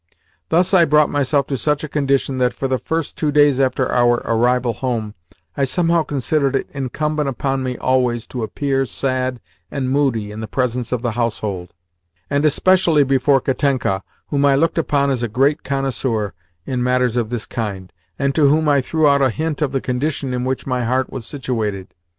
Thus I brought myself to such a condition that, for the first two days after our arrival home, I somehow considered it incumbent upon me always to appear sad and moody in the presence of the household, and especially before Katenka, whom I looked upon as a great connoisseur in matters of this kind, and to whom I threw out a hint of the condition in which my heart was situated.